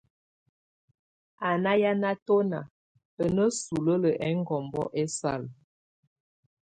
A náhiana tonak, a nésulél iŋgubú esal.